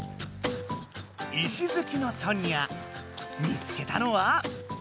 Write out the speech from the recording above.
石好きのソニア見つけたのは。